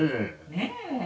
ねえ。